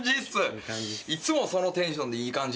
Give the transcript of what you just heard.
いつもそのテンションで「いい感じ」